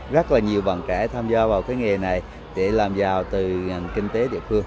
rất là nhiều bạn trẻ tham gia vào cái nghề này để làm giàu từ kinh tế địa phương